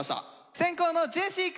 先攻のジェシーくん